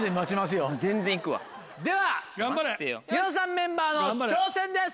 ではニノさんメンバーの挑戦です！